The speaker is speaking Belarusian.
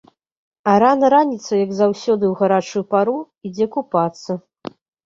А рана раніцай, як заўсёды ў гарачую пару, ідзе купацца.